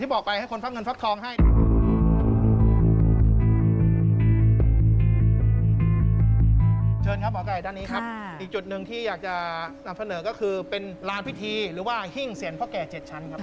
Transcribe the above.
อีกจุดหนึ่งที่อยากจะนำเสนอก็คือเป็นร้านพิธีหรือว่าฮิ่งเสียงพ่อแก่เจ็ดชั้นครับ